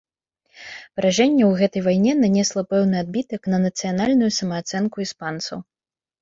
Паражэнне ў гэтай вайне нанесла пэўны адбітак на нацыянальную самаацэнку іспанцаў.